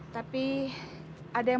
tapi ada yang